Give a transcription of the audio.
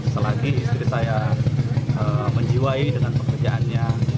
selagi istri saya menjiwai dengan pekerjaannya